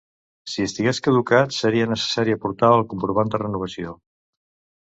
Si estigués caducat, seria necessari aportar el comprovant de renovació.